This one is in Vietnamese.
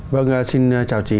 vâng xin chào chị